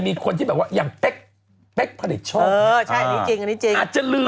มีคนที่แบบว่าอย่างเป๊กพระริชโชคอาจจะลืม